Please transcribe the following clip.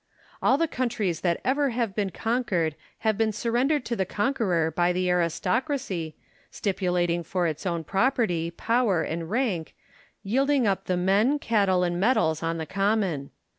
All the countries that ever have been conquered have been surrendered to the conqueror by the aristocracy, stipulating for its own property, power, and rank, yielding up the men, cattle, and metals on the common.